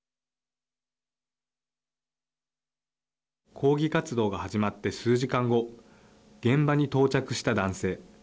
抗議活動が始まって数時間後現場に到着した男性。